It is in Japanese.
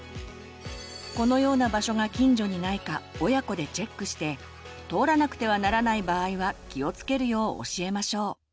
このような場所が近所にないか親子でチェックして通らなくてはならない場合は気をつけるよう教えましょう。